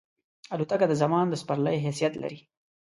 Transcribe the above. الوتکه د زمان د سپرلۍ حیثیت لري.